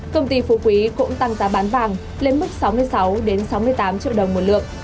công ty phú quý cũng tăng giá bán vàng lên mức sáu mươi sáu sáu mươi tám triệu đồng một lượng